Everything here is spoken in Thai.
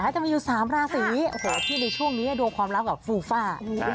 จะมีอยู่๓ราศีที่ในช่วงนี้ดวงความรักแบบฟูฟ่า